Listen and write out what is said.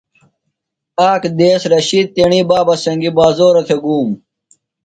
آک دیس رشید تیݨی بابہ سنگی بازورہ تھےۡ گُوم۔